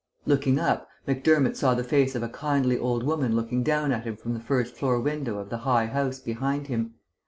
Looking up, Macdermott saw the face of a kindly old woman looking down at him from the first floor window of the high house behind him.